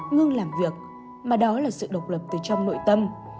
ngưng làm việc mà đó là sự độc lập từ trong nội tâm